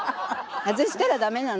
外したらダメなの。